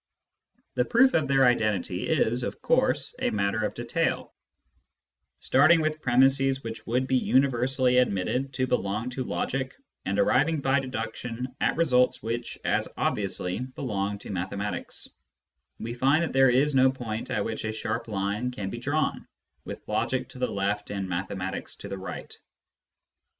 The proof of their identity is, of course, a matter of detail : starting with premisses which would be universally admitted to belong to logic, and arriving by deduction at results which as obviously belong to mathematics, we find that there is no point at which a sharp line can be drawn, with logic to the left and mathe matics to the right.